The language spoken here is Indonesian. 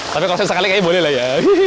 tapi kalau saya sekali kayaknya boleh lah ya